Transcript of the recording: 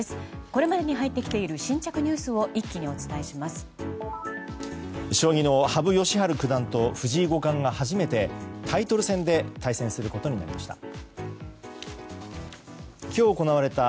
これまでに入ってきている新着ニュースを将棋の羽生善治九段と藤井五冠が初めて、タイトル戦で対戦することになりました。